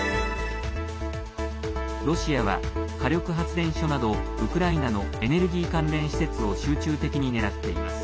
ロシアは、火力発電所などウクライナのエネルギー関連施設を集中的に狙っています。